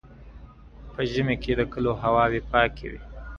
Most of the stone for the railway's stations was quarried near Cliburn.